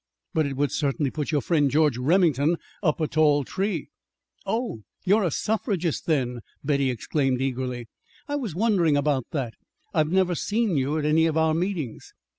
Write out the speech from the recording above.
But it would certainly put your friend George Remington up a tall tree." "Oh, you're a suffragist, then?" Betty exclaimed eagerly. "I was wondering about that. I've never seen you at any of our meetings."